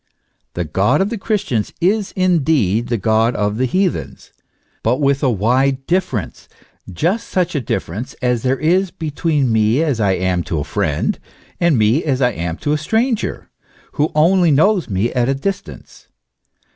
The God of the Christians is indeed the God of the heathens, but with a wide difference : just such a difference as there is between me as I am to a friend, and me as I am to a stranger, w r ho only knows me at a distance.